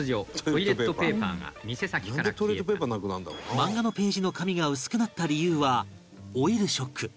漫画のページの紙が薄くなった理由はオイルショック